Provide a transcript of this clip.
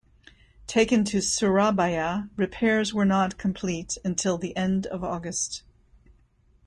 Taken to Surabaya, repairs were not complete until the end of August.